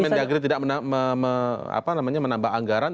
menjageri tidak menambah anggaran